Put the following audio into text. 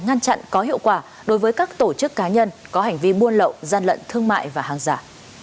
ngăn chặn có hiệu quả đối với các tổ chức cá nhân có hành vi buôn lậu gian lận thương mại và hàng giả